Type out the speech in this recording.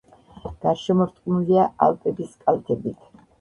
გარშემორტყმულია ალპების კალთებით.